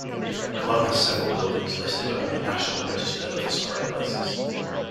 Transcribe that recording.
Cologne has several buildings listed on the National Register of Historic Places.